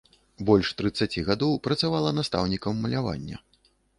Больш трыццаці гадоў працавала настаўнікам малявання.